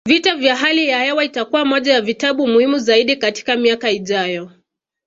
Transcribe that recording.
Vita vya hali ya hewa itakuwa moja ya vitabu muhimu zaidi katika miaka ijayo